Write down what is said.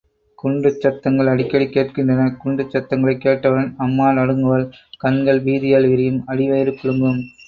குண்டுச் சத்தங்கள் அடிக்கடி கேட்கின்றன. குண்டுச் சத்தங்களைக் கேட்டவுடன் அம்மா நடுங்குவாள். கண்கள் பீதியால் விரியும். அடிவயிறு குலுங்கும்.